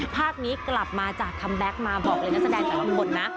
ภาพนี้กลับมาจากคัมแบ็คมาบอกเลยนักแสดงแต่ละคนนะ